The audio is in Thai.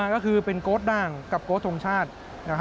ก็คือเป็นก๊อตด่างกับก๊อตทรงชาติ